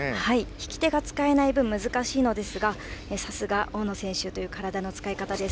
引き手が使えない分難しいのですがさすが大野選手という体の使い方です。